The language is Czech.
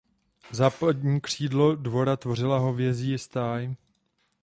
Západní křídlo dvora tvořila hovězí stáj.